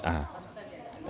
orang tua tersangka